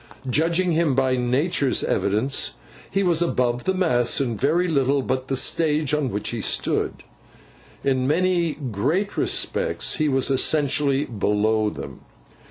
Judging him by Nature's evidence, he was above the mass in very little but the stage on which he stood. In many great respects he was essentially below them.